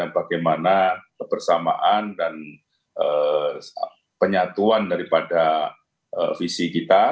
bagaimana kebersamaan dan penyatuan daripada visi kita